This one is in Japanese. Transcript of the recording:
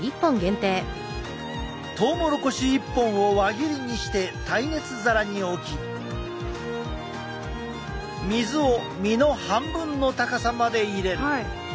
トウモロコシ１本を輪切りにして耐熱皿に置き水を実の半分の高さまで入れる。